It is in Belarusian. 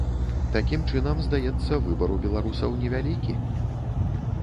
Такім чынам, здаецца, выбар у беларусаў невялікі?